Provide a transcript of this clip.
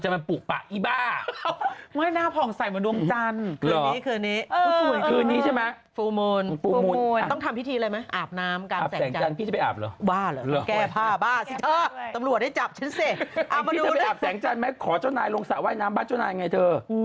มันดีกว่าแม่